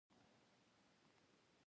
جانداد د خلکو لپاره ګټور څېرہ دی.